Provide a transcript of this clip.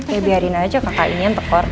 ya biarin aja kakak ini yang tekor